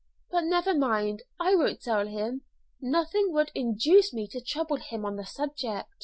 But never mind; I won't tell him. Nothing would induce me to trouble him on the subject."